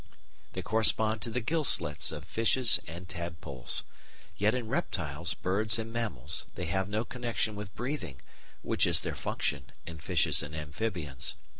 They correspond to the gill slits of fishes and tadpoles. Yet in reptiles, birds, and mammals they have no connection with breathing, which is their function in fishes and amphibians.